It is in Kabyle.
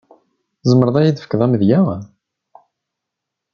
Tzemreḍ ad yi-d-tefkeḍ amedya?